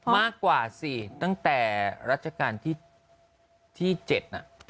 มากกว่าสิตั้งแต่รัชกาลที่๗น่ะ